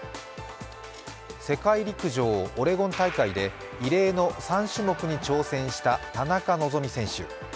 世界陸上オレゴン大会で異例の３種目に挑戦した田中希実選手。